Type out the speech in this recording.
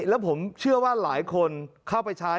แล้วผมเชื่อว่าหลายคนเข้าไปใช้